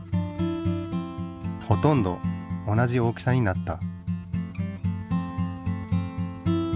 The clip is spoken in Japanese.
ほとんど同じ大きさになった。